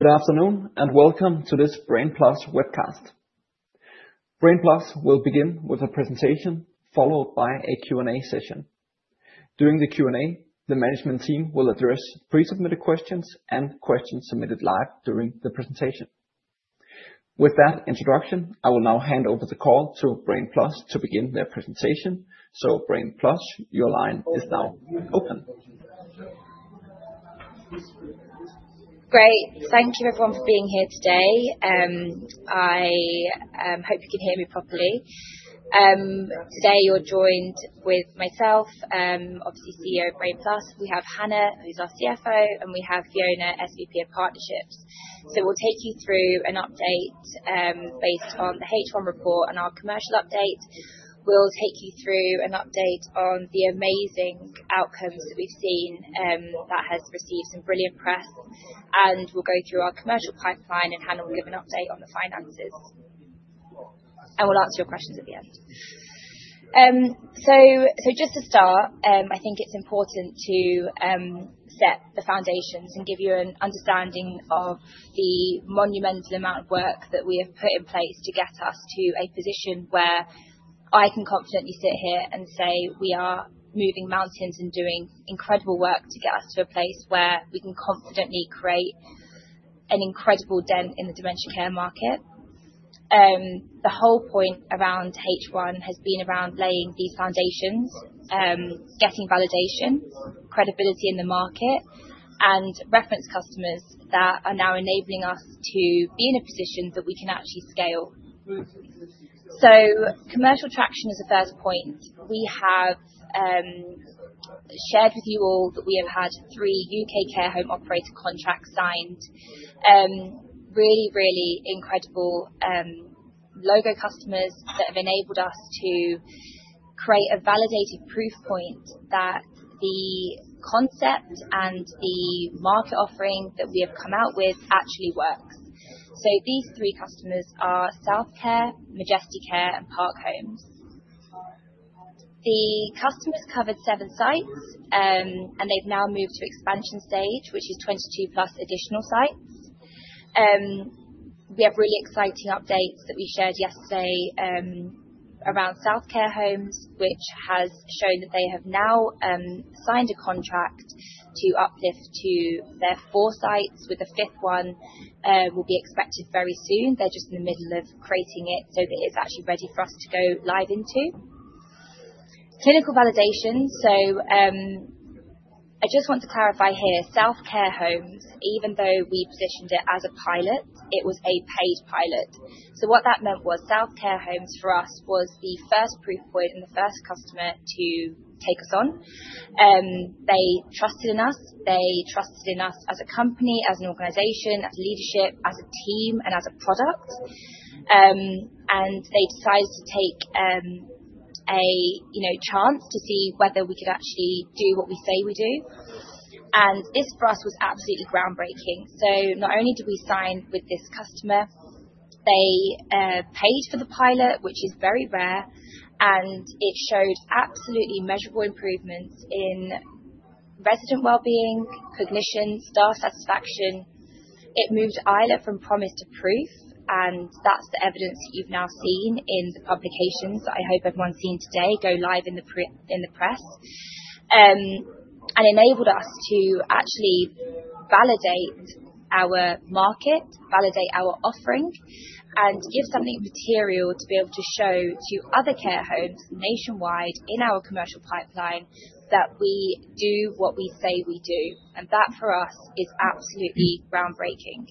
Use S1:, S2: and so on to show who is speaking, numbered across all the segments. S1: Good afternoon, and welcome to this Brainplus webcast. Brainplus will begin with a presentation followed by a Q and A session. During the Q and A, the management team will address pre submitted questions and questions submitted live during the presentation. With that introduction, I will now hand over the call to Brainplus to begin their presentation. So Brainplus, your line is now open.
S2: Great. Thank you everyone for being here today. I hope you can hear me properly. Today, you're joined with myself, obviously, CEO of Brainplus. We have Hannah, who's our CFO, and we have Fiona, SVP of partnerships. So we'll take you through an update based on the h one report and our commercial update. We'll take you through an update on the amazing outcomes that we've seen that has received some brilliant press, and we'll go through our commercial pipeline and Hannah will give an update on the finances. I will answer your questions at the end. So so just to start, I think it's important to set the foundations and give you an understanding of the monumental amount of work that we have put in place to get us to a position where I can confidently sit here and say we are moving mountains and doing incredible work to get us to a place where we can confidently create an incredible dent in the dementia care market. The whole point around h one has been around laying these foundations, getting validation, credibility in the market, and reference customers that are now enabling us to be in a position that we can actually scale. So commercial traction is the first point. We have shared with you all that we have had three UK care home operator contracts signed. Really, really incredible logo customers that have enabled us to create a validated proof point that the concept and the market offering that we have come out with actually works. So these three customers are Southcare, Majesty Care, and Park Homes. The customers covered seven sites, and they've now moved to expansion stage, which is 22 plus additional sites. We have really exciting updates that we shared yesterday around SouthCare Homes, which has shown that they have now signed a contract to uplift to their four sites with the fifth one will be expected very soon. They're just in the middle of creating it so that it's actually ready for us to go live into. Clinical validation. So I just want to clarify here. South Care Homes, even though we positioned it as a pilot, it was a paid pilot. So what that meant was South Care Homes for us was the first proof point and the first customer customer to take us on. They trusted in us. They trusted in us as a company, as an organization, as leadership, as a team, and as a product. And they decided to take a, you know, chance to see whether we could actually do what we say we do. And this for us was absolutely groundbreaking. So not only do we sign with this customer, they paid for the pilot, which is very rare, and it showed absolutely measurable improvements in resident well-being, cognition, staff satisfaction. It moved either from promise to proof, and that's evidence you've now seen in the publications. I hope everyone seen today go live in the pre in the press. And and enabled us to actually validate our market, validate our offering, and give something material to be able to show to other care homes nationwide in our commercial pipeline that we do what we say we do. And that for us is absolutely groundbreaking.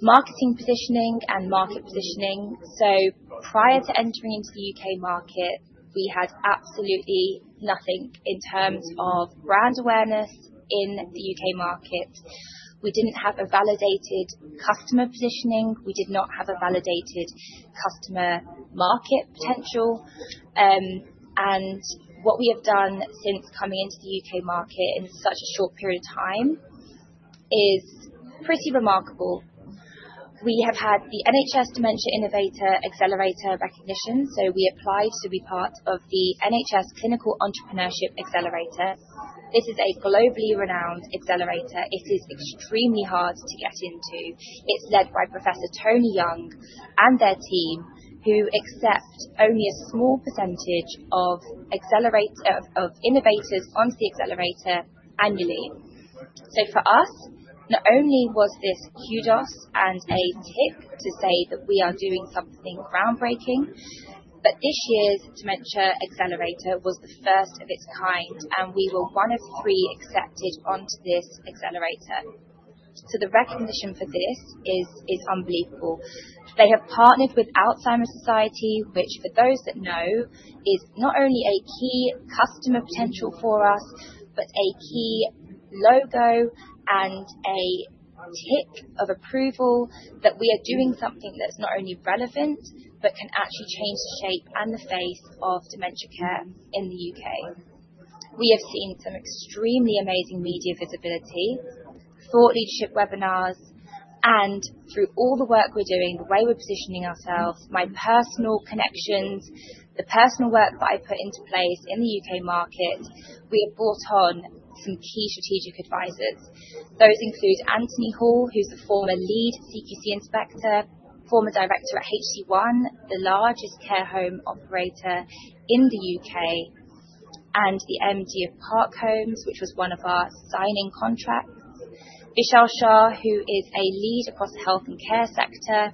S2: Marketing positioning and market positioning. So prior to entering into The UK market, we had absolutely nothing in terms of brand awareness in The UK market. We didn't have a validated customer positioning. We did not have a validated customer market potential. What we have done since coming into The UK market in such a short period of time is pretty remarkable. We have had the NHS dementia innovator accelerator recognition, so we applied to be part of the NHS clinical entrepreneurship accelerator. This is a globally renowned accelerator. It is extremely hard to get It's led by professor Tony Young and their team who accept only a small percentage of accelerate of innovators on the accelerator annually. So for us, not only was this kudos and a tick to say that we are doing something groundbreaking, but this year's dementia accelerator was the first of its kind, and we were one of three accepted onto this accelerator. So the recognition for this is is unbelievable. They have partnered with Alzheimer's Society, which for those that know, is not only a key customer potential for us, but a key logo and a tick of approval that we are doing something that's not only relevant, but can actually change shape and the face of dementia care in The UK. We have seen some extremely amazing media visibility, thought leadership webinars, and through all the work we're doing, the way we're positioning ourselves, my personal connections, the personal work that I put into place in The UK market, we have brought on some key strategic advisers. Those include Anthony Hall, who's a former lead CQC inspector, former director at HC1, the largest care home operator in The UK, and the MD of Park Homes, which was one of our signing contracts. Michelle Shah, who is a lead across health and care sector,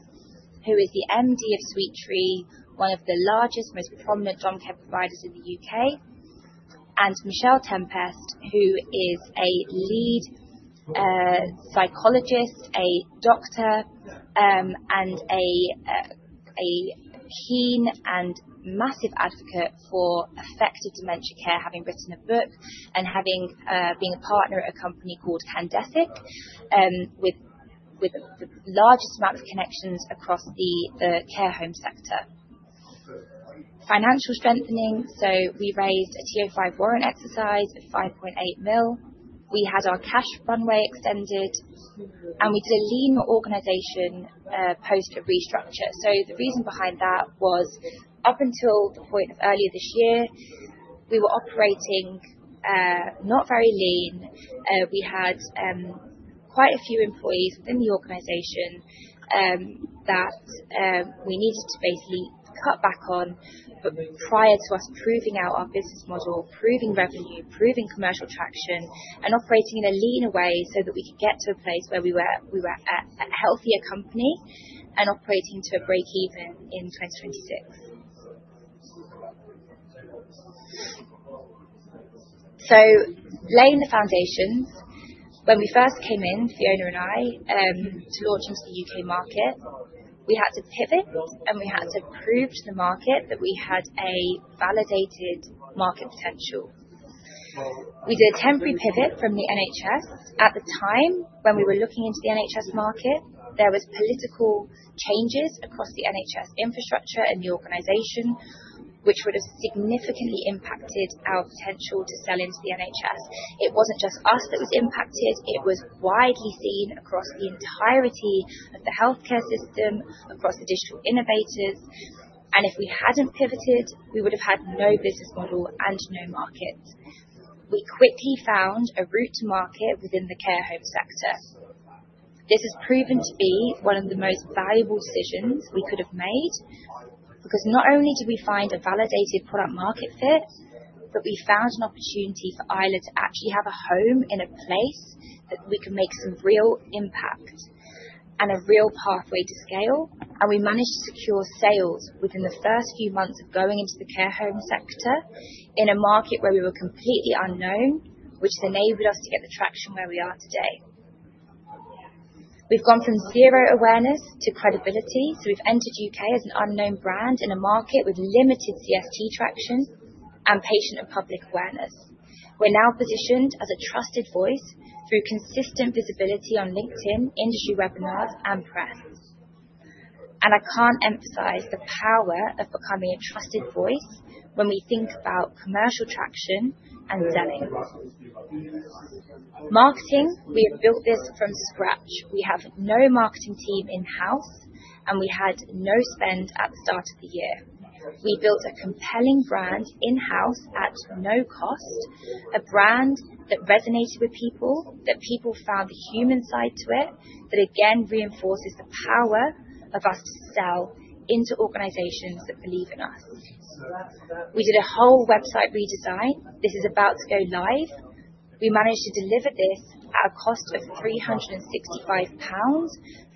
S2: who is the MD of Sweetree, one of the largest, most prominent job care providers in The UK. And Michelle Tempest, who is a lead psychologist, a doctor, and a a keen and massive advocate for affected dementia care, having written a book and having being a partner at a company called Pandesic with with the largest amount of connections across the the care home sector. Financial strengthening, so we raised a tier five warrant exercise of 5.8 mil. We had our cash runway extended, and we did lean organization post restructure. So the reason behind that was up until the point of earlier this year, we were operating not very lean. We had quite a few employees in the organization that we needed to basically cut back on prior to us proving out our business model, proving revenue, proving commercial traction, and operating in a leaner way so that we could get to a place where we were we were at a healthier company and operating to a breakeven in 2026. So laying the foundation, when we first came in, Fiona and I, to launch into The UK market, we had to pivot, and we had to prove to the market that we had a validated market potential. We did a temporary pivot from the NHS. At the time, when we were looking into the NHS market, there was political changes across the NHS infrastructure and the organization, which would have significantly impacted our potential to sell into the NHS. It wasn't just us that was impacted. It was widely seen across the entirety of the health care system, across the digital innovators. And if we hadn't pivoted, we would have had no business model and no market. We quickly found a route to market within the care home sector. This has proven to be one of the most valuable decisions we could have made because not only do we find a validated product market fit, but we found an opportunity for Eilid to actually have a home in a place that we can make some real impact and a real pathway to scale, and we managed to secure sales within the first few months of going into the care home sector in a market where we were completely unknown, which enabled us to get the traction where we are today. We've gone from zero awareness to credibility. So we've entered UK as an unknown brand in a market with limited CST traction and patient and public awareness. We're now positioned as a trusted voice through consistent visibility on LinkedIn, industry webinars, and press. And I can't emphasize the power of becoming a trusted voice when we think about commercial traction and selling. Marketing, we have built this from scratch. We have no marketing team in house, and we had no spend at the start of the year. We built a compelling brand in house at no cost, a brand that resonates with people, that people found the human side to it, that again reinforces the power of us to sell into organizations that believe in us. We did a whole website redesign. This is about to go live. We managed to deliver this at a cost of £365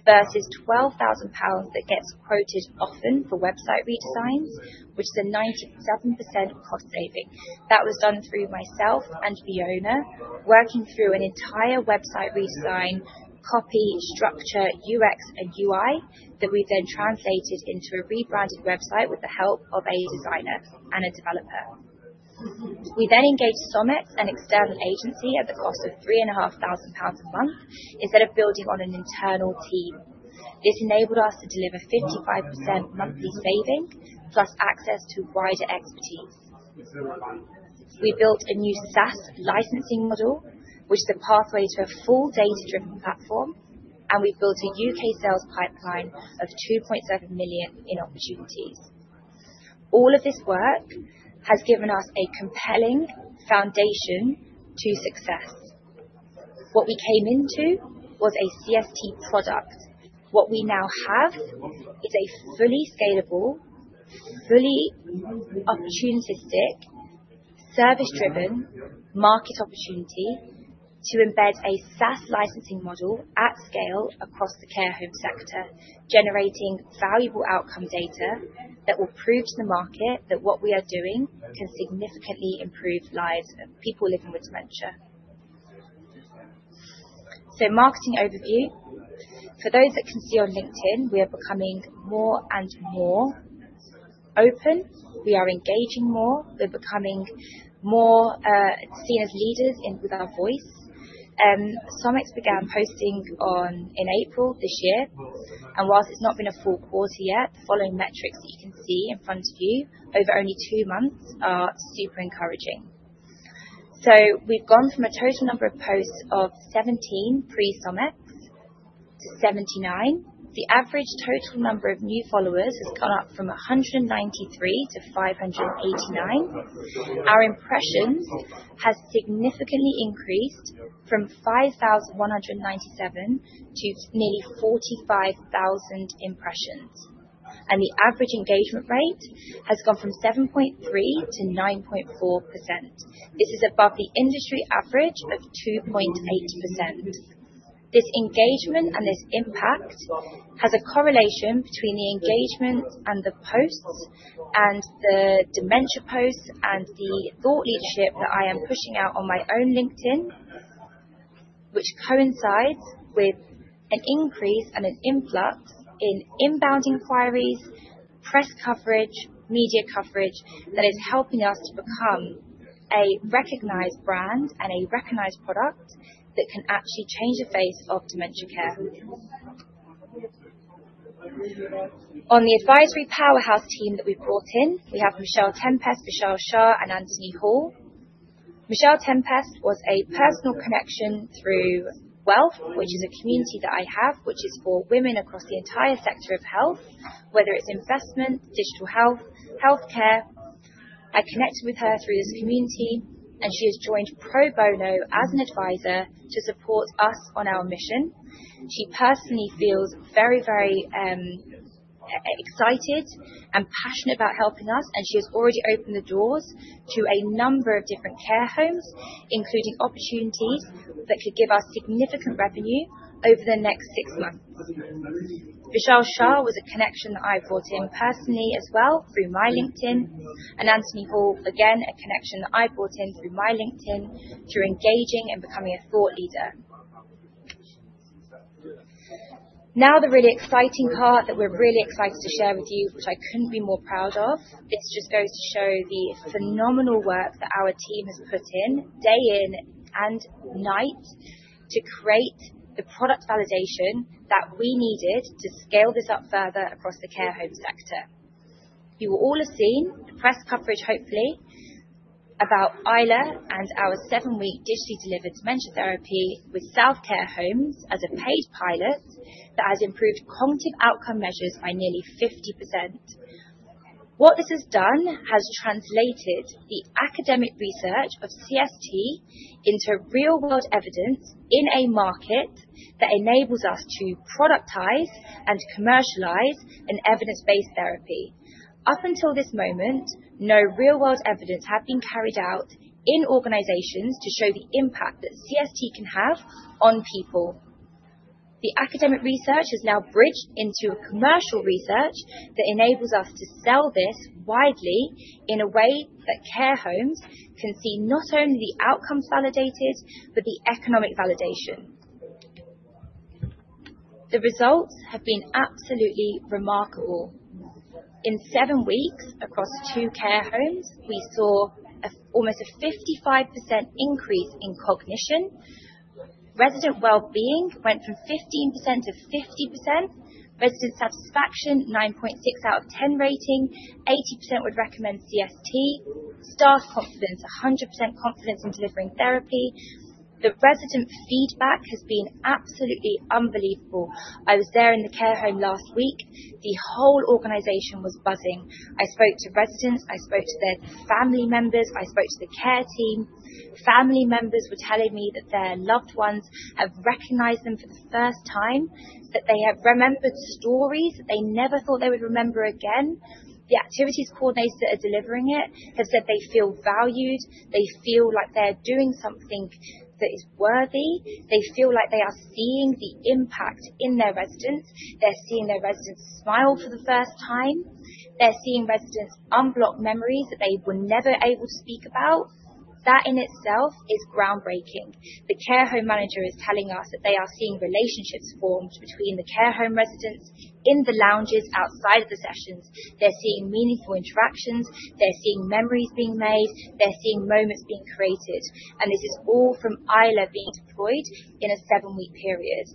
S2: versus £12,000 that gets quoted often for website redesigns, which is a 97% cost saving. That was done through myself and Fiona working through an entire website redesign, copy, structure, UX, and UI that we then translated into a rebranded website with the help of a designer and a developer. We then engaged Summit, an external agency, at the cost of 3 and a half thousand pounds a month instead of building on an internal team. This enabled us to deliver 55% monthly saving plus access to wider expertise. We built a new SaaS licensing model, which is the pathway to a full data driven platform, and we've built a UK sales pipeline of 2,700,000.0 in opportunities. All of this work has given us a compelling foundation to success. What we came into was a CST product. What we now have is a fully scalable, fully opportunistic, service driven market opportunity to embed a SaaS licensing model at scale across the care home sector, generating valuable outcome data that will prove to the market that what we are doing can significantly improve lives of people living with dementia. So marketing overview. For those that can see on LinkedIn, we are becoming more and more open. We are engaging more. We're becoming more seen as leaders in with our voice. Some have begun posting on in April. And whilst it's not been a full quarter yet, following metrics that you can see in front of you over only two months are super encouraging. So we've gone from a total number of posts of 17 pre some ex to 79. The average total number of new followers has gone up from a 193 to 589. Our impressions has significantly increased from 5,197 to nearly 45,000 impressions, and the average engagement rate has gone from 7.3 to 9.4%. This is above the industry average of 2.8%. This engagement and this impact has a correlation between the engagement and the post and the dementia post and the thought leadership that I am pushing out on my own LinkedIn, which coincides with an increase and an influx in inbound inquiries, press coverage, media coverage that is helping us to become a recognized brand and a recognized product that can actually change the face of dementia care. On the advisory powerhouse team that we brought in, we have Michelle Tempest, Michelle Shah, and Anthony Hall. Michelle Tempest was a personal connection through wealth, which is a community that I have, which is for women across the entire sector of health, whether it's investment, digital health, health care. I connect with her through this community, and she has joined pro bono as an adviser to support us on our mission. She personally feels very, very excited and passionate about helping us, and she has already opened the doors to a number of different care homes, including opportunities that could give us significant revenue over the next six months. Vishal Shah was a connection I brought in personally as well through my LinkedIn, and Anthony Hall, again, a connection I brought in through my LinkedIn through engaging and becoming a thought leader. Now the really exciting part that we're really excited to share with you, which I couldn't be more proud of, it's just going to show the phenomenal work that our team has put in day in and night to create the product validation that we needed to scale this up further across the care home sector. You will all have seen the press coverage, hopefully, about Eila and our seven week digitally delivered dementia therapy with Southcare Homes as a paid pilot that has improved cognitive outcome measures by nearly fifty percent. What this has done has translated the academic research of CST into real world evidence in a market that enables us to productize and commercialize an evidence based therapy. Up until this moment, no real world evidence have been carried out in organizations to show the impact that CST can have on people. The academic research is now bridged into commercial research that enables us to sell this widely in a way that care homes can see not only outcomes validated, but the economic validation. The results have been absolutely remarkable. In seven weeks across two care homes, we saw almost a 55% increase in cognition. Resident well-being went from 15% to 50%. Resident satisfaction, 9.6 out of 10 rating. 80% would recommend CST. Staff confidence, a 100% confidence in delivering therapy. The resident feedback has been absolutely unbelievable. I was there in the care home last week. The whole organization was buzzing. I spoke to residents. I spoke to their family members. I spoke to the care team. Family members were telling me that their loved ones have recognized them for the first time, that they have remembered stories they never thought they would remember again. The activities coordinator delivering it has said they feel valued. They feel like they're doing something that is worthy. They feel like they are seeing the impact in their residents. They're seeing their residents smile for the first time. They're seeing residents unblock memories that they were never able to speak about. That in itself is groundbreaking. The care home manager is telling us that they are seeing relationships formed between the care home residents in the lounges outside of the sessions. They're seeing meaningful interactions. They're seeing memories being made. They're seeing moments being created, and this is all from ILA being deployed in a seven week period.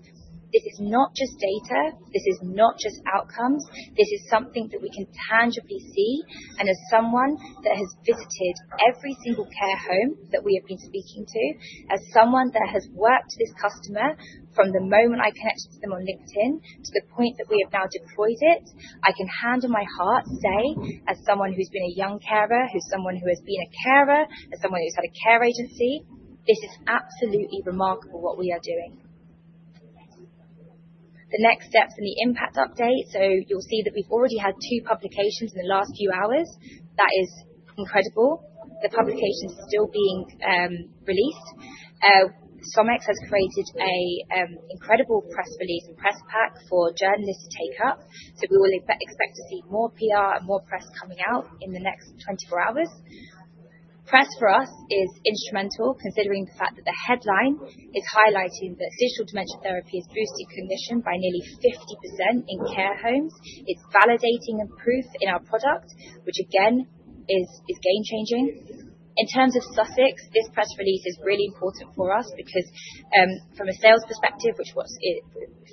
S2: This is not just data. This is not just outcomes. This is something that we can tangibly see. And as someone that has visited every single care home that we have been speaking to, as someone that has worked with this customer from the moment I connect them on LinkedIn to the point that we have now deployed it, I can handle my heart, say, as someone who's been a young carer, who's someone who has been a carer, as someone who's had a carer agency, this is absolutely remarkable what we are doing. The next steps in the impact update, so you'll see that we've already had two publications in the last few hours. That is incredible. The publication is still being released. SOMX has created a incredible press release and press pack for journalists to take up. So we will expect to see more PR and more press coming out in the next twenty four hours. Press for us is instrumental considering the fact that the headline is highlighting that digital dementia therapy is boosting condition by nearly fifty percent in care homes. It's validating and proof in our product, which again is is game changing. In terms of Sussex, this press release is really important for us because from a sales perspective, which was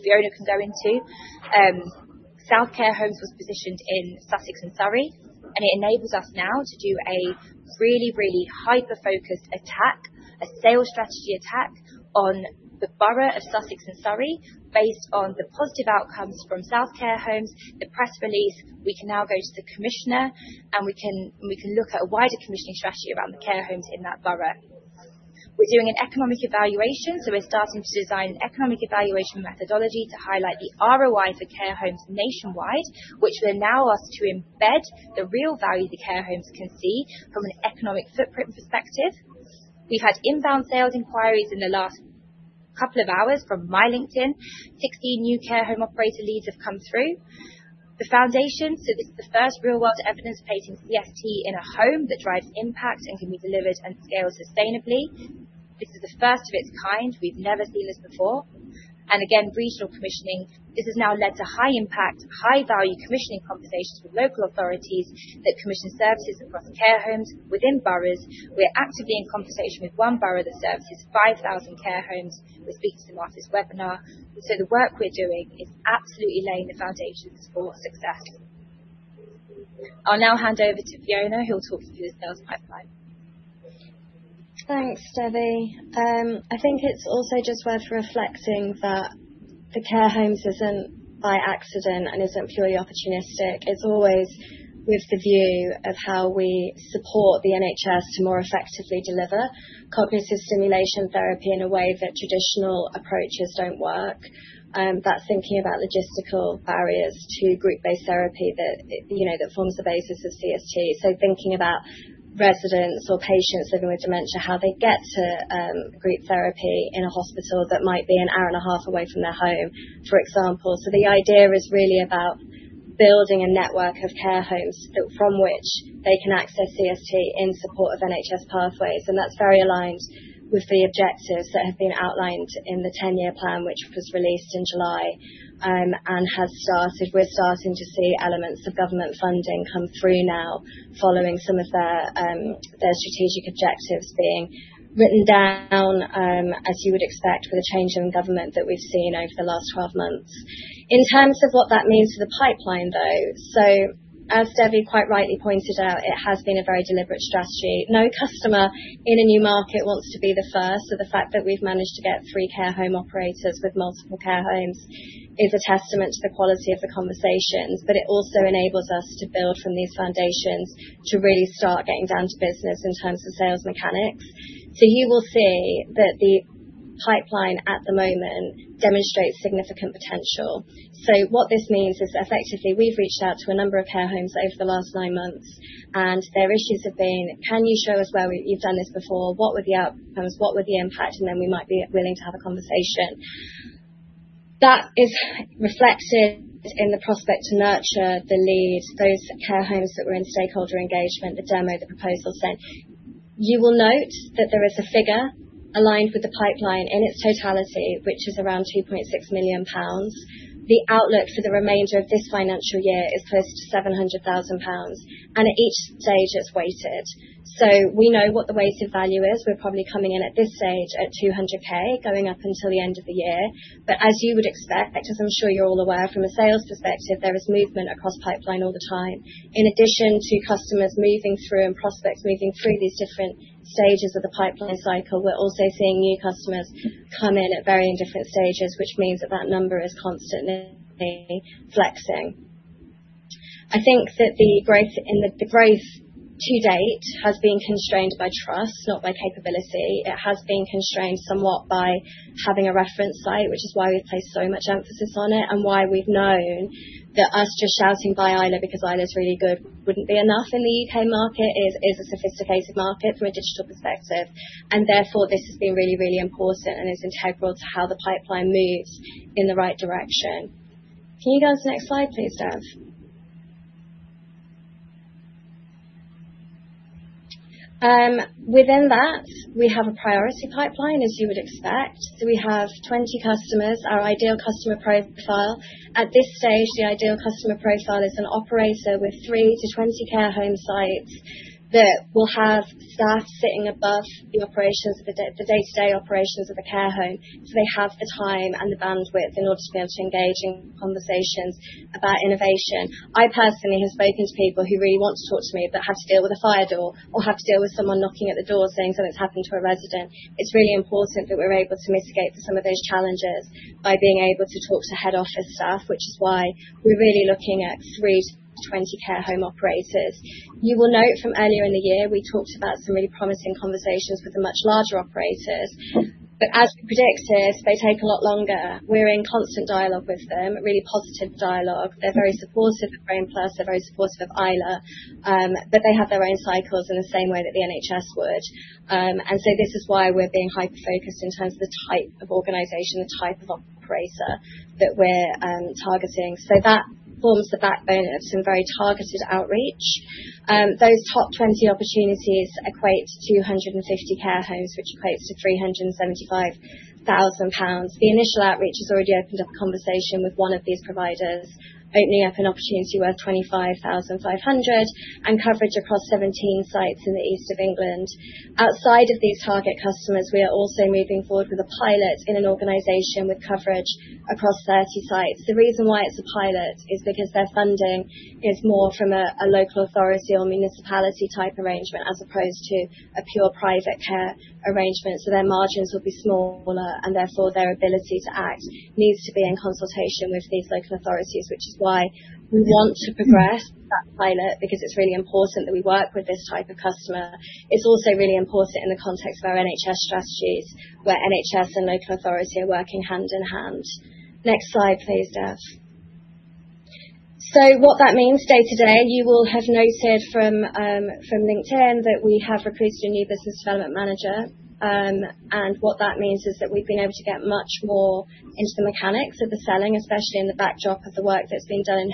S2: Fiona can go into, Southcare Homes was positioned in Sussex and Surrey, and it enables us now to do a really, really hyper focused attack, a sales strategy attack on the borough of Sussex and Surrey based on the positive outcomes from SouthCare Homes, the press release. We can now go to the commissioner, and we can we can look at a wider commissioning strategy around the care homes in that borough. We're doing an economic evaluation, so we're starting to design economic evaluation methodology to highlight the ROI for care homes nationwide, which will allow us to embed the real value the care homes can see from an economic footprint perspective. We've had inbound sales inquiries in the last couple of hours from my LinkedIn. 16 new care home operator leads have come through. The foundation, so this is the first real world evidence patent CFT in a home that drives impacts and can be delivered and scaled sustainably. This is the first of its kind. We've never seen this before. And again, regional commissioning, this is now led to high impact, high value commissioning conversations with local authorities that commission services across care homes within boroughs. We're actively in conversation with one borough that services 5,000 care homes with week to Market's webinar. So the work we're doing is absolutely laying the foundations for success. I'll now hand over to Fiona who'll talk to you about pipeline.
S3: Thanks, Debbie. I think it's also just worth reflecting that the care homes isn't by accident and isn't purely opportunistic. It's always with the view of how we support the NHS to more effectively deliver cognitive stimulation therapy in a way that traditional approaches don't work. And that's thinking about logistical barriers to group based therapy that forms the basis of CST. So thinking about residents or patients living with dementia, how they get to group therapy in a hospital that might be an hour and a half away from their home, for example. So the idea is really about building a network of care homes from which they can access CST in support of NHS pathways. And that's very aligned with the objectives that have been outlined in the ten year plan, which was released in July and has started we're starting to see elements of government funding come through now following some of their strategic objectives being written down, as you would expect, for the change in government that we've seen over the last twelve months. In terms of what that means to the pipeline, though, so as Debbie quite rightly pointed out, it has been a very deliberate strategy. No customer in a new market wants to be the first. So the fact that we've managed to get three care home operators with multiple care homes is a testament to the quality of the conversations, but it also enables us to build from these foundations to really start getting down to business in terms of sales mechanics. So you will see that the pipeline at the moment demonstrates significant So what this means is effectively, we've reached out to a number of care homes over the last nine months. And their issues have been, can you show us where you've done this before? What were the outcomes? What were the impact? And then we might be willing to have a conversation. That is reflected in the prospect to nurture the leads, those care homes that were in stakeholder engagement, the demo, the proposal sent. You will note that there is a figure aligned with the pipeline in its totality, which is around million. The outlook for the remainder of this financial year is close to 700000 pounds, and at each stage, it's weighted. So we know what the weighted value is. We're probably coming in at this stage at 200000 going up until the end of the year. But as you would expect, as I'm sure you're all aware, from a sales perspective, there is movement across pipeline all the time. In addition to customers moving through and prospects moving through these different stages of the pipeline cycle, we're also seeing new customers come in at varying different stages, which means that, that number is constantly flexing. I think that the growth to date has been constrained by trust, not by capability. It has been constrained somewhat by having a reference site, which is why we place so much emphasis on it and why we've known that us just shouting by Eila because Eila is really good wouldn't be enough in The UK market is a sophisticated market from a digital perspective. And therefore, this has been really, really important and is integral to how the pipeline moves in the right direction. Can you go to the next slide, please, Dev? Within that, we have a priority pipeline, as you would expect. So we have 20 customers, our ideal customer profile. At this stage, the ideal customer profile is an operator with three to 20 care home sites that will have staff sitting above the operations of the day to day operations of the care home. So they have the time and the bandwidth in order to be able to engage in conversations about innovation. I personally have spoken to people who really want to talk to me, but have to deal with a fire door or have to deal with someone knocking at the door saying something's happened to a resident. It's really important that we're able to mitigate some of those challenges by being able to talk to head office staff, which is why we're really looking at three to 20 care home operators. You will note from earlier in the year, we talked about some really promising conversations with the much larger operators. But as we predicted, they take a lot longer. We're in constant dialogue with them, really positive dialogue. They're very supportive of Brainplus, they're very supportive of Eyla, but they have their own cycles in the same way that the NHS would. And so this is why we're being hyper focused in terms of the type of organization, the type of operator that we're targeting. So that forms the backbone of some very targeted outreach. Those top 20 opportunities equate to two fifty care homes, which equates to £375,000 The initial outreach has already opened up conversation with one of these providers, opening up an opportunity worth 25,500 and coverage across 17 sites in the East Of England. Outside of these target customers, we are also moving forward with a pilot in an organization with coverage across 30 sites. The reason why it's a pilot is because their funding is more from a local authority or municipality type arrangement as opposed to a pure private care arrangement. So their margins will be smaller and therefore their ability to act needs to be in consultation with these local authorities, which is why we want to progress that pilot because it's really important that we work with this type of customer. It's also really important in the context of our NHS strategies, where NHS and local authority are working hand in hand. Next slide, please, Dev. So what that means day to day, you will have noted from LinkedIn that we have recruited a new business development manager. And what that means is that we've been able to get much more into the mechanics of the selling, especially in the backdrop of the work that's been done in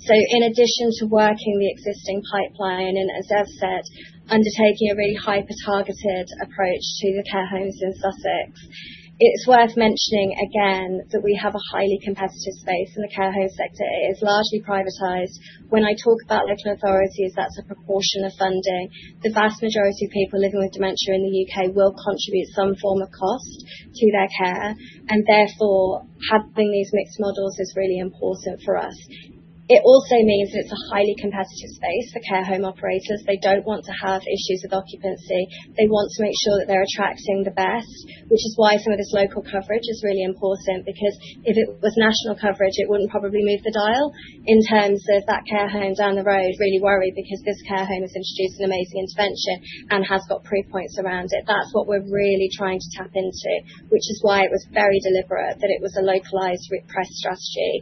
S3: So in addition to working the existing pipeline, and as Dev said, undertaking a very hyper targeted approach to the care homes in Sussex. It's worth mentioning again that we have a highly competitive space in the care home sector. It's largely privatized. When I talk about local authorities, that's a proportion of funding. The vast majority of people living with dementia in The UK will contribute some form of cost to their care. And therefore, having these mixed models is really important for us. It also means it's a highly competitive space for care home operators. They don't want to have issues with occupancy. They want to make sure that they're attracting the best, which is why some of this local coverage is really important because if it was national coverage, it wouldn't probably move the dial in terms of that care home down the road really worried because this care home has introduced an amazing intervention and has got proof points around it. That's what we're really trying to into, which is why it was very deliberate that it was a localized repressed strategy.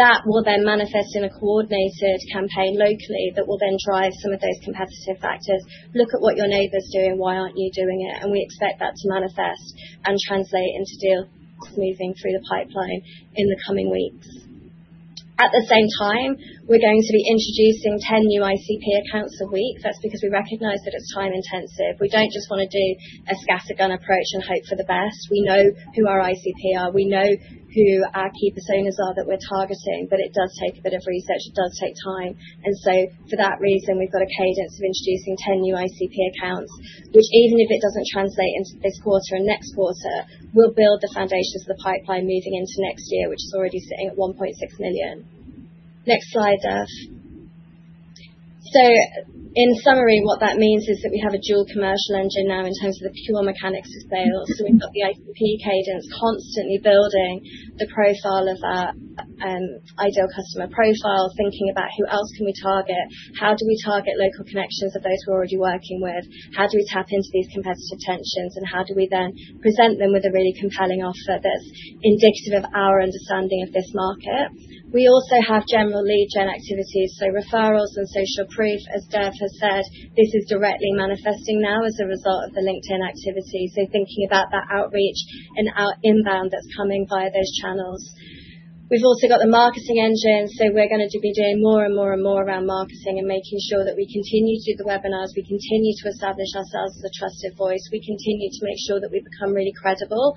S3: That will then manifest in a coordinated campaign locally that will then drive some of those competitive factors. Look at what your neighbors do and why aren't you doing it. And we expect that to manifest and translate into deals moving through the pipeline in the coming weeks. At the same time, we're going to be introducing 10 new ICP accounts a week. That's because we recognize that it's time intensive. We don't just want to do a scattergun approach and hope for the best. We know who our ICP are. We know who our key personas are that we're targeting, but it does take a bit of research, it does take time. And so for that reason, we've got a cadence of introducing 10 new ICP accounts, which even if it doesn't translate into this quarter and next quarter, we'll build the foundations of the pipeline moving into next year, which is already sitting at 1,600,000.0. Next slide, Derf. So in summary, what that means is that we have a dual commercial engine now in terms of the pure mechanics of sales. So we've got the ICP cadence constantly building the profile of our ideal customer profile, thinking about who else can we target, how do we target local connections of those we're already working with, how do we tap into these competitive tensions and how do we then present them with a really compelling offer that's indicative of our understanding of this market. We also have general lead gen activities, so referrals and social proof, as Derre has said, this is directly manifesting now as a result of the LinkedIn activity. So thinking about that outreach and our inbound that's coming via those channels. We've also got the marketing engine. So we're going to be doing more and more and more around marketing and making sure that we continue to do the webinars, we continue to establish ourselves as a trusted voice, we continue to make sure that we become really credible.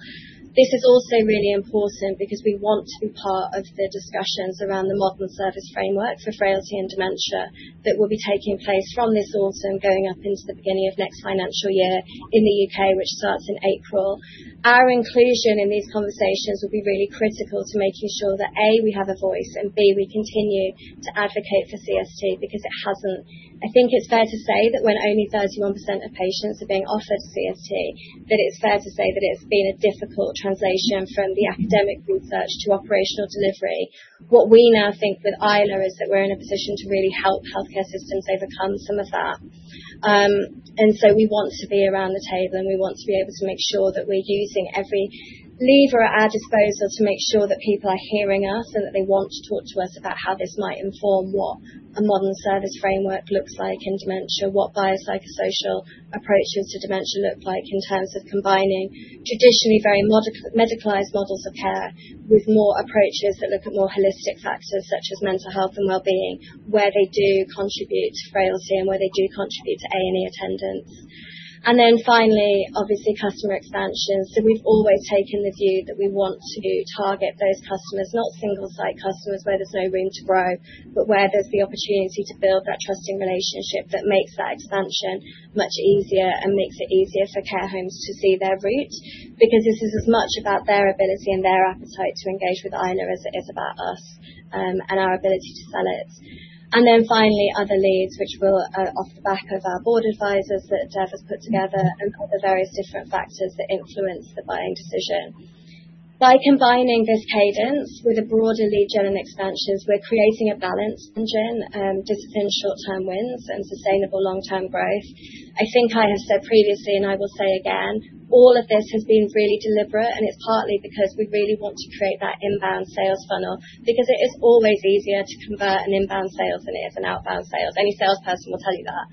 S3: This is also really important because we want to be part of the discussions around the modern service framework for frailty and dementia that will be taking place from this autumn going up into the beginning of next financial year in The UK, which starts in April. Our inclusion in these conversations will be really critical to making sure that, a, we have a voice and b, we continue to advocate for CST because it hasn't I think it's fair to say that when only thirty one percent of patients are being offered CST, that it's fair to say that it's been a difficult translation from the academic research to operational delivery. What we now think with Eyla is that we're in a position to really help health care systems overcome some of that. And so we want to be around the table and we want to be able to make sure that we're using every lever at our disposal to make sure that people are hearing us and that they want to talk to us about how this might inform what a modern service framework looks like in dementia, what biopsychosocial approaches to dementia look like in terms of combining traditionally very medicalized models of care with more approaches that look at more holistic factors such as mental health and well-being, where they do contribute to frailty and where they do contribute to A and E attendance. And then finally, obviously, expansion. So we've always taken the view that we want to target those customers, not single site customers where there's no room to grow, but where there's the opportunity to build that trusting relationship that makes that expansion much easier and makes it easier for care homes to see their route because this is as much about their ability and their appetite to engage with Aina as it is about us and our ability to sell it. And then finally, other leads, which will off the back of our Board advisors that Dev has put together and other various different factors that influence the buying decision. By combining this cadence with a broader lead gen and expansions, we're creating a balanced engine and disciplined Any salesperson will tell you that.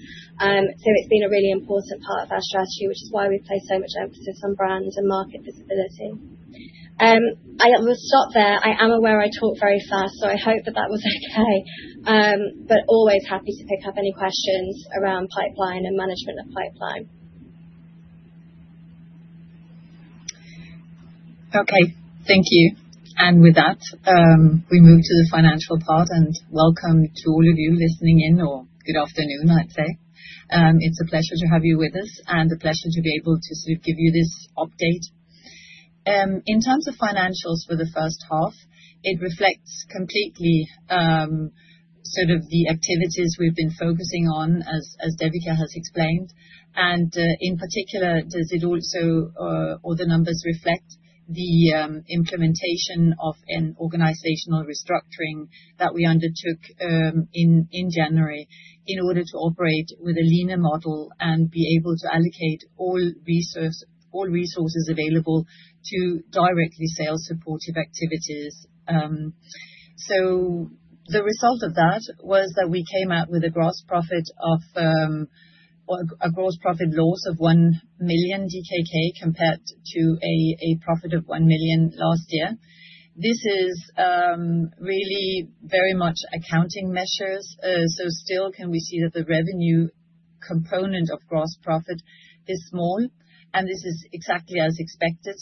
S3: So it's been a really important part of our strategy, which is why we place so much emphasis on brands and market visibility. I will stop there. I am aware I talk very fast, so I hope that that was okay. But always happy to pick up any questions around pipeline and management of pipeline.
S4: Okay. Thank you. And with that, we move to the financial part. And welcome to all of you listening in or good afternoon, I'd say. It's a pleasure to have you with us and a pleasure to be able to sort of give you this update. In terms of financials for the first half, it reflects completely sort of the activities we've been focusing on, as Debica has explained. And in particular, does it also or the numbers reflect the implementation of an organizational restructuring that we undertook in January in order to operate with a leaner model and be able to allocate all resources available to directly sales supportive activities. So the result of that was that we came out with a gross profit or a gross profit loss of 1 million DKK compared to a profit of 1 million last year. This is really very much accounting measures. So still, can we see that the revenue component of gross profit is small. And this is exactly as expected,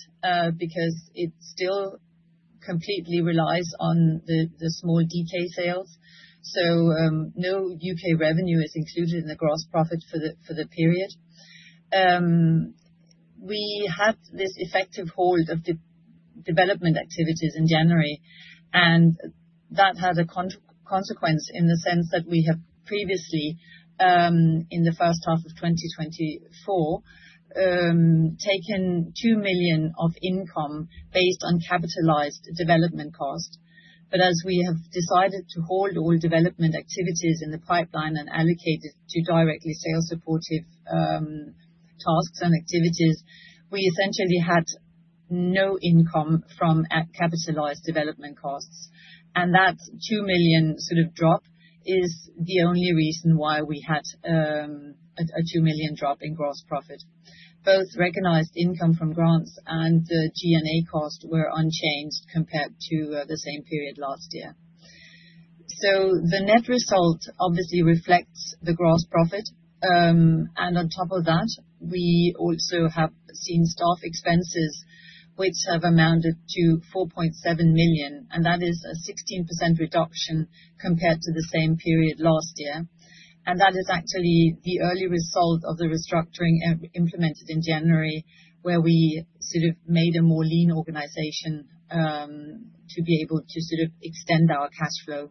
S4: because it still completely relies on the small DK sales. So no UK revenue is included in the gross profit for the period. We had this effective hold of development activities in January. And that had a consequence in the sense that we have previously, in the 2024, taken 2,000,000 of income based on capitalized development cost. But as we have decided to hold all development activities in the pipeline and allocate it to directly sales supportive tasks and activities, we essentially had no income from capitalized development costs. And that 2 million sort of drop is the only reason why we had a 2 million drop in gross profit. Both recognized income from grants and G and A costs were unchanged compared to the same period last year. So the net result obviously reflects the gross profit. And on top of that, we also have seen staff expenses, which have amounted to million, and that is a 16% reduction compared to the same period last year. And that is actually the early result of the restructuring implemented in January, where we sort of made a more lean organization to be able to sort of extend our cash flow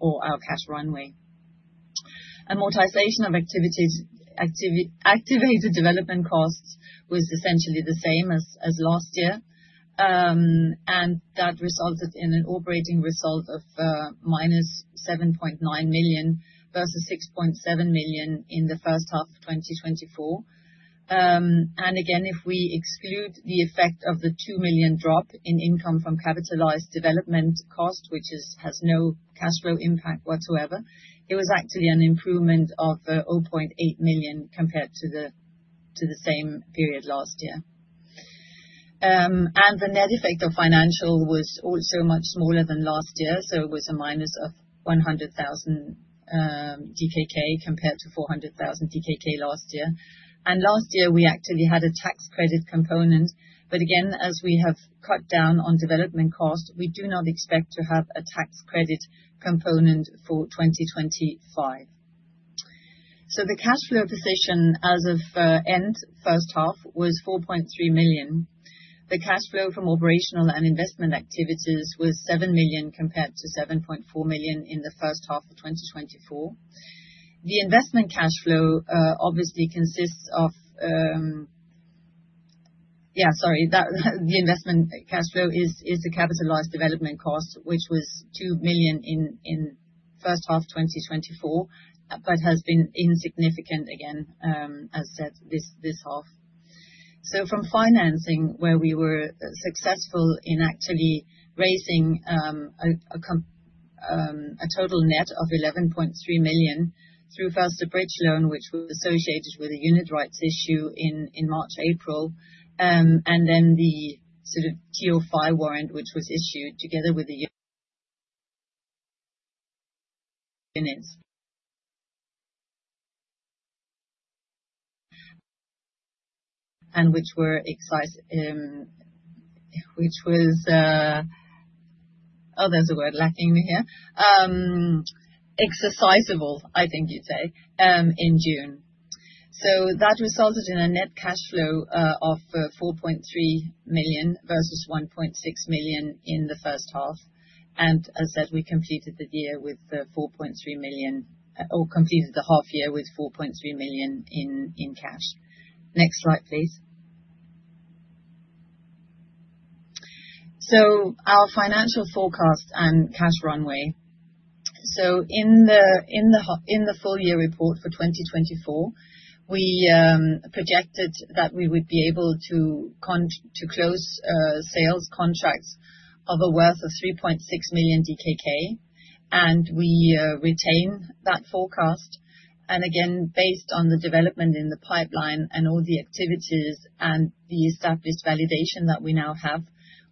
S4: or our cash runway. Amortization of activities activated development costs was essentially the same as last year. And that resulted in an operating result of minus 7.9 million versus 6.7 million in the 2024. And again, if we exclude the effect of the 2 million drop in income from capitalized development cost, which has no cash flow impact whatsoever. It was actually an improvement of million compared to the same period last year. And the net effect of financial was also much smaller than last year. So it was a minus of compared to 400000 DKK last year. And last year, we actually had a tax credit component. But again, as we have cut down on development costs, we do not expect to have a tax credit component for 2025. So the cash flow position as of end first half was 4.3 million. The cash flow from operational and investment activities was 7 million compared to 7.4 million in the 2024. The investment cash flow obviously consists of yes, sorry, the investment cash flow is the capitalized development cost, which was 2 million in first half twenty twenty four, but has been insignificant again, as said, this half. So from financing, where we were successful in actually raising a total net of 11,300,000.0 through faster bridge loan, which was associated with the unit issue in March, April, and then the sort of TO5 warrant, which was issued together with the units and which were which was oh, there's a word lacking here, exercisable, I think you'd say, in June. So that resulted in a net cash flow of 4.3 million versus 1.6 million in the first half. And as said, we completed the year with million or completed the half year with 4.3 million in cash. Next slide, please. So our financial forecast and cash runway. So in the full year report for 2024, we projected that we would be able to close sales contracts of a worth of 3.6 million DKK, and we retain that forecast. And again, based on the development in the pipeline and all the activities and the established validation that we now have,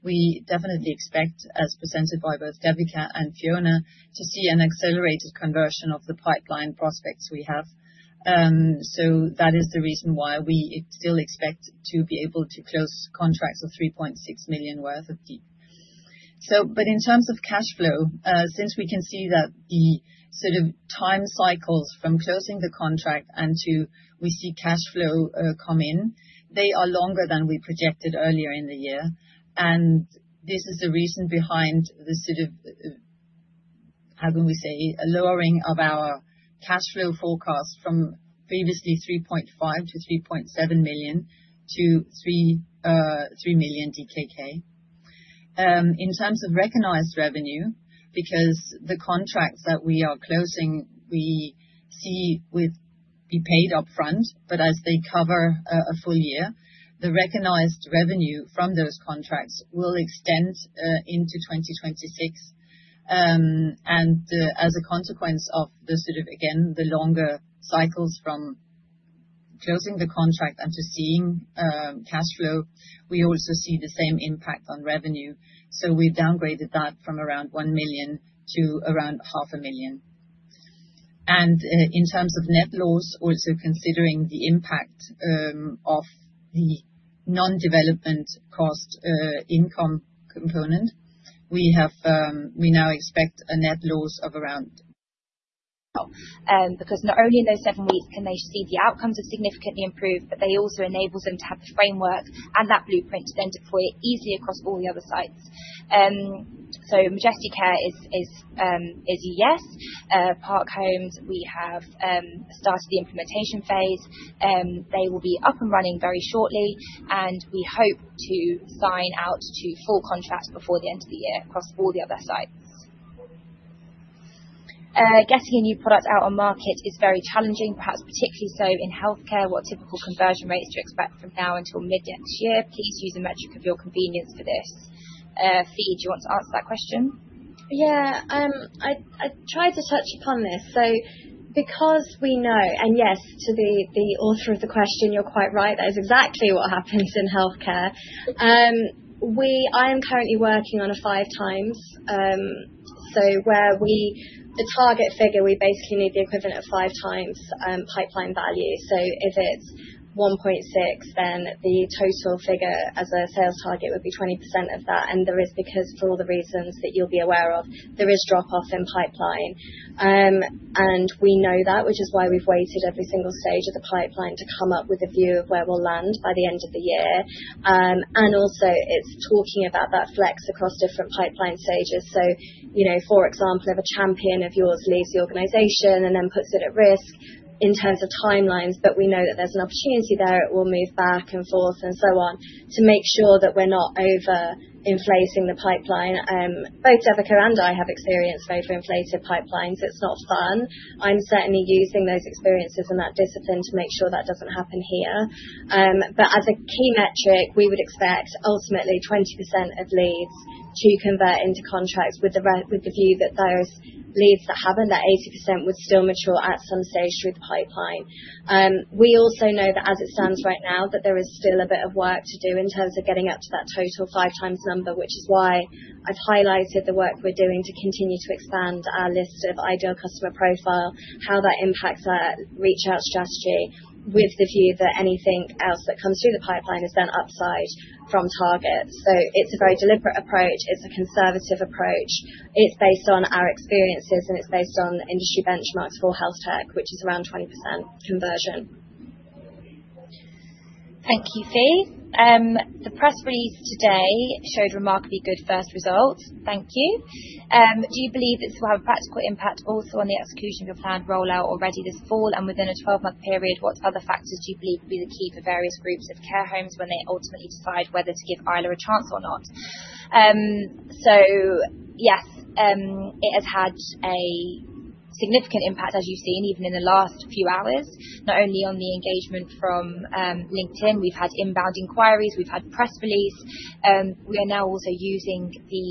S4: we definitely expect as presented by both Debica and Fiona to see an accelerated conversion of the pipeline prospects we have. So that is the reason why we still expect to be able to close contracts of €3,600,000 worth of DEEP. So but in terms of cash flow, since we can see that the sort of time cycles from closing the contract and to we see cash flow come in, they are longer than we projected earlier in the year. And this is the reason behind the sort of, how do we say, lowering of our cash flow forecast from previously 3,500,000.0 to 3,700,000.0 to 3,000,000. In terms of recognized revenue, because the contracts that we are closing, we see would be paid upfront. But as they cover a full year, the recognized revenue from those contracts will extend into 2026. And as a consequence of the sort of again, the longer cycles from closing the contract and to seeing cash flow, we also see the same impact on revenue. So we downgraded that from around 1 million to around 0.5 million. And in terms of net loss, also considering the impact of the non development cost income component, we have we now expect a net loss of around
S2: because not only in those seven weeks can they see the outcomes are significantly improved, but they also enable them to have the framework and that blueprint to then deploy it easy across all the other sites. So Majestic Care is a yes. Park Homes, we have started the implementation phase. They will be up and running very shortly, and we hope to sign out to full contracts before the end of the year across all the other sites. Getting a new product out on market is very challenging, perhaps particularly so in healthcare, what typical conversion rates to expect from now until mid next year? Please use a metric of your convenience for this. Phoe, do you want to answer that question?
S3: Yeah. I tried to touch upon this. So because we know and yes, to the author of the question, you're quite right. That is exactly what happens in healthcare. We I am currently working on a five times. So where we the target figure, we basically need the equivalent of five times pipeline value. So if it's 1.6 times, then the total figure a sales target would be 20% of that. And there is because for all the reasons that you'll be aware of, there is drop off in pipeline. And we know that, which is why we've waited every single stage of the pipeline to come up with a view of where we'll land by the end of the year. And also, it's talking about that flex across different pipeline stages. So for example, if a champion of yours leaves the organization and then puts it at risk in terms of timelines, but we know that there's an opportunity there, it will move back and forth and so on to make sure that we're not over inflating the pipeline. Both, Debica and I have experienced overinflated pipelines. It's not fun. I'm certainly using those experiences and that discipline to make sure that doesn't happen here. But as a key metric, we would expect ultimately 20% of leads to convert into contracts with the view that those leads that haven't, that 80% would still mature at some stage through the pipeline. We also know that as it stands right now that there is still a bit of work to do in terms of getting up to that total five times number, which is why I've highlighted the work we're doing to continue to expand our list of ideal customer profile, how that impacts our reach out strategy with the view that anything else that comes through the pipeline is then upside from Target. So it's a very deliberate approach. It's a conservative approach. It's based on our experiences and it's based on industry benchmarks for HealthTech, which is around 20% conversion.
S2: Thank you, Phe. The press release today showed remarkably good first results. Thank you. Do you believe this will have a practical impact also on the execution of your planned rollout already this fall and within a twelve month period? What other is you believe be the key for various groups of care homes when they ultimately decide whether to give either a chance or not. So, yes, it has had a significant impact as you've seen even in the last few hours, not only on the engagement from LinkedIn, we've had inbound inquiries, we've had press release, we are now also using the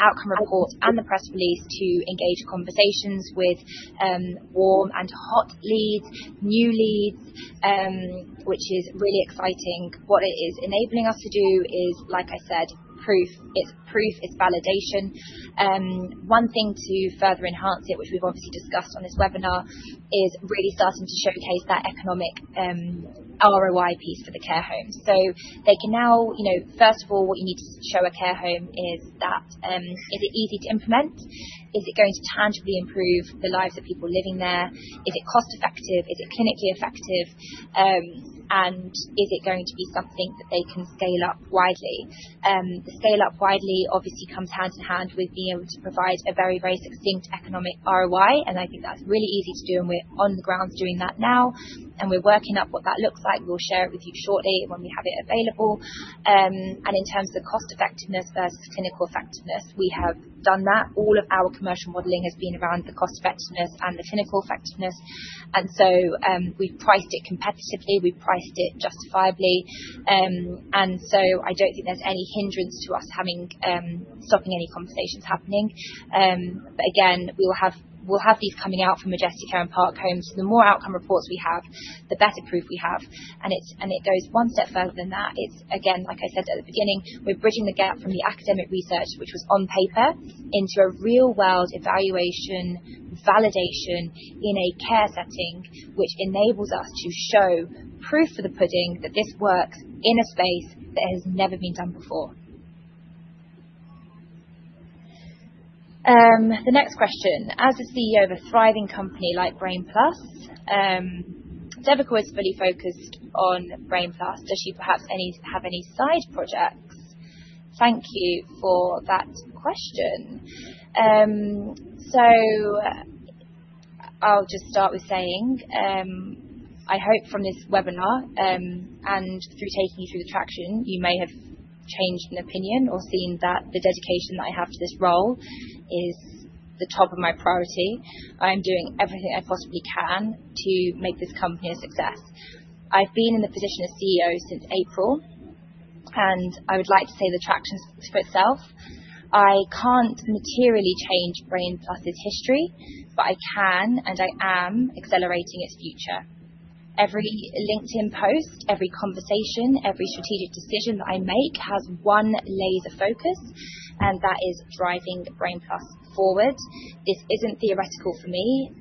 S2: outcome report and the press release to engage conversations with warm and hot leads, new leads, which is really exciting. What it is enabling us to do is, like I said, proof. It's proof. It's validation. One thing to further enhance it, which we've obviously discussed on this webinar is really starting to showcase that economic ROI piece for the care home. So they can now, you know, first of all, what you need to show a care home is that, is it easy to implement? Is it going to tangibly improve the lives of people living there? Is it cost effective? Is it clinically effective? Is it going to be something that they can scale up widely? Scale up widely obviously comes hand to hand with being able to provide a very, very succinct economic ROI and I think that's really easy to do and we're on the ground doing that now. And we're working up what that looks like. We'll share it with you shortly when we have it available. And in terms of cost effectiveness versus clinical effectiveness, we have done that. All of our commercial modeling has been around the cost effectiveness and the clinical effectiveness. And so we've priced it competitively, we've priced it justifiably. And so I don't think there's any hindrance to us having any conversations happening. But again, we will have we will have these coming out from Majestic Care and Park Homes. The more outcome reports we have, the better proof we have. And it's and it goes one step further than that. It's again, like I said at the beginning, we're bridging the gap from the academic research which was on paper into a real world evaluation validation in a care setting which enables us to show proof for the pudding that this works in a space that has never been done before. The next question, as a CEO of a thriving company like Brainplus, Devicoy is fully focused on Brainplus. Does she perhaps any have any side projects? Thank you for that question. So I'll just start with saying, I hope from this webinar and through taking you through the traction, you may have changed an opinion or seen that the dedication I have to this role is the top of my priority. I'm doing everything I possibly can to make this company a success. I've been in the position of CEO since April, and I would like to say the traction is for itself. I can't materially change Brainplus' history, but I can and I am accelerating its future. Every LinkedIn post, every conversation, every strategic decision that I make has one laser focus, and that is driving Brainplus forward. This isn't theoretical for me.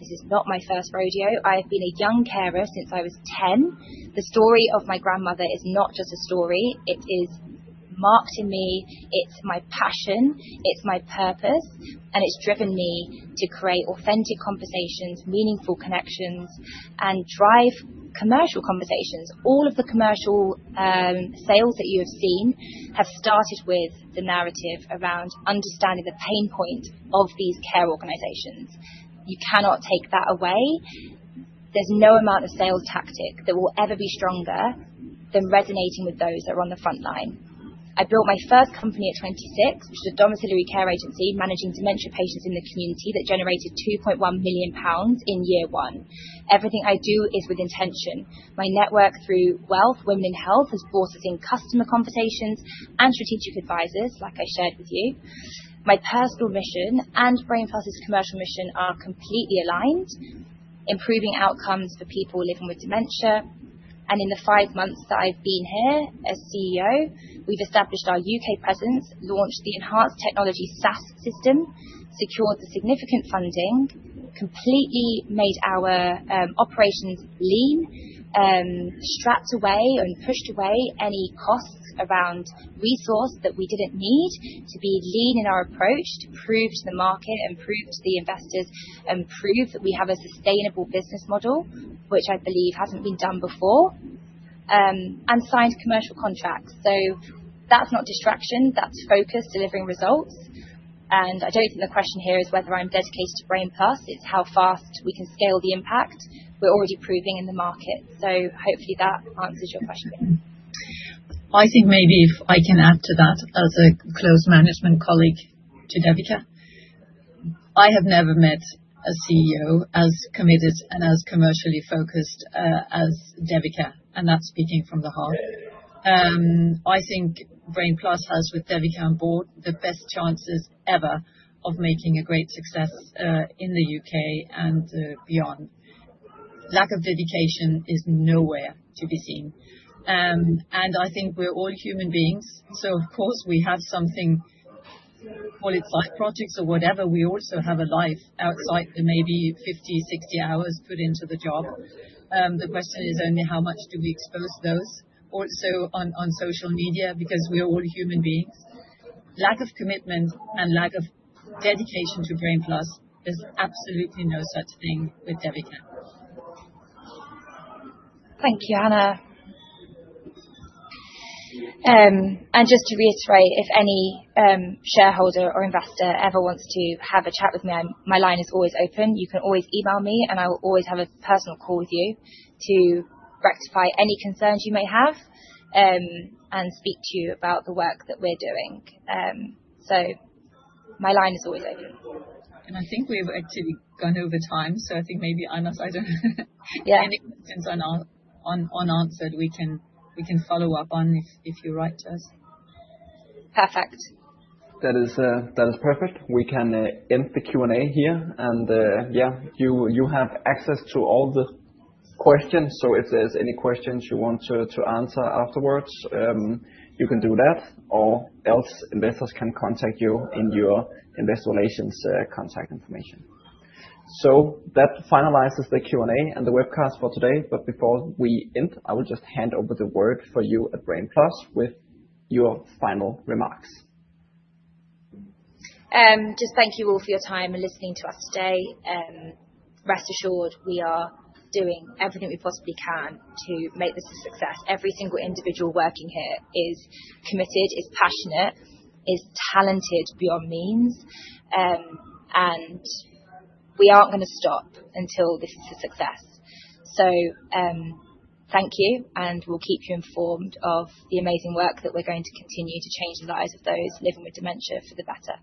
S2: This is not my first rodeo. I've been a young carer since I was 10. The story of my grandmother is not just a story. It is marked in me. It's my passion. It's my purpose, and it's driven me to create authentic conversations, meaningful connections, and drive commercial conversations. All of the commercial sales that you have seen have started with the narrative around understanding the pain point of these care organization. That generated £2,100,000 in year one. Everything I do is with intention. My network through wealth, women in health has brought us in customer conversations and strategic advisors like I shared with you. My personal mission and Brainfuzz's commercial mission are completely aligned, improving outcomes for people living with dementia. And in the five months that I've been here as CEO, we've established our UK presence, launched the enhanced technology SaaS system, secured the significant funding, completely made our operations lean, strapped away and pushed away any costs around resource that we didn't need to be lean in our approach, to prove to the market, and prove to the investors, and prove that we have a sustainable business model, which I believe hasn't been done before and signed commercial contracts. So that's not distraction, that's focus delivering results. And I don't think the question here is whether I'm dedicated to Brainplus, it's how fast we can scale the impact we're already proving in the market. So hopefully that answers your question.
S4: I think maybe if I can add to that as a close management colleague to Debica. I have never met a CEO as committed and as commercially focused as Debica, and that's speaking from the heart. I think Brainplus has, with Devika on board, the best chances ever of making a great success in The UK and beyond. Lack of dedication is nowhere to be seen. And I think we're all human beings. So, of course, we have something, call it, life projects or whatever. We also have a life outside that may be fifty, sixty hours put into the job. The question is only how much do we expose those also on on social media because we are all human beings. Lack of commitment and lack of dedication to Brainplus is absolutely no such thing with DevyCamp.
S2: Thank you, Hannah. And just to reiterate, if any shareholder or investor ever wants to have a chat with me, my line is always open. You can always email me, and I will always have a personal call with you to rectify any concerns you may have and speak to you about the work that we're doing. So my line is always open.
S4: And I think we've actually gone over time, so I think maybe I must I don't Yeah. Questions on on unanswered we can follow-up on if you're right to us. Perfect.
S1: That is perfect. We can end the Q and A here. And yeah, you have access to all the questions. So if there's any questions you want to answer afterwards, you can do that or else investors can contact you in your Investor Relations contact information. So that finalizes the Q and A and the webcast for today. But before we end, I will just hand over the word for you at Brainplus with your final remarks.
S2: Just thank you all for your time and listening to us today. And Rest assured, we are doing everything we possibly can to make this a success. Every single individual working here is committed, is passionate, is talented beyond means, and we aren't gonna stop until this is a success. So thank you, and we'll keep you informed of the amazing work that we're going to continue to change the lives of those living with dementia for the better.